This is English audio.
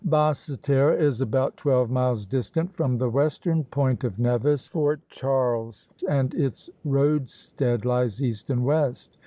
Basse Terre is about twelve miles distant from the western point of Nevis (Fort Charles), and its roadstead lies east and west.